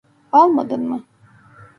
Almadın mı?